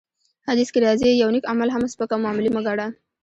حديث کي راځي : يو نيک عمل هم سپک او معمولي مه ګڼه!